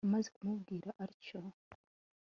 Amaze kumubwira atyo